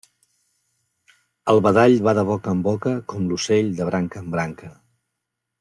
El badall va de boca en boca com l'ocell de branca en branca.